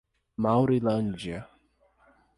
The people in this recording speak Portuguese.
Maurilândia